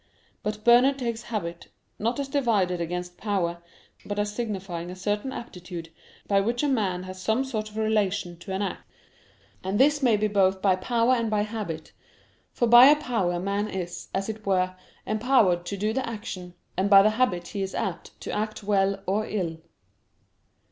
But Bernard takes habit, not as divided against power, but as signifying a certain aptitude by which a man has some sort of relation to an act. And this may be both by a power and by a habit: for by a power man is, as it were, empowered to do the action, and by the habit he is apt to act well or ill.